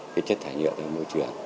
cái chất thải nhựa trong môi trường